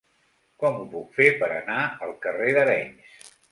Com ho puc fer per anar al carrer d'Arenys?